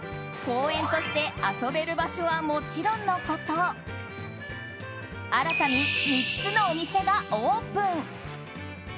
公園として遊べる場所はもちろんのこと新たに３つのお店がオープン。